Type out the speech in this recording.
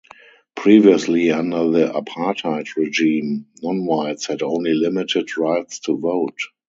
Previously, under the apartheid regime, non-whites had only limited rights to vote.